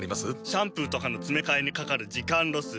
シャンプーとかのつめかえにかかる時間ロス。